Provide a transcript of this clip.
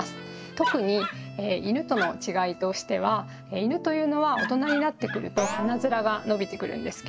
特にイヌとの違いとしてはイヌというのは大人になってくると鼻面が伸びてくるんですけれども。